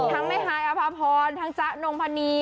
แม่ฮายอภาพรทั้งจ๊ะนงพนี